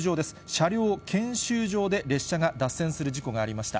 車両検修場で列車が脱線する事故がありました。